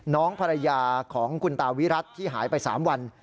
น้องภรรยาของคุณตาวิรัติที่หายไป๓วัน